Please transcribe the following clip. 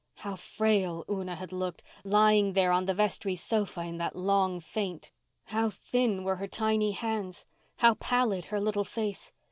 How frail Una had looked, lying there on the vestry sofa in that long faint! How thin were her tiny hands, how pallid her little face!